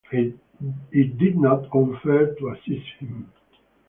It did not offer to assist him.